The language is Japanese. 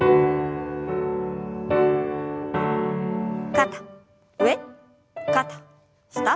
肩上肩下。